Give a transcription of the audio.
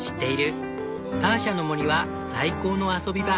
ターシャの森は最高の遊び場。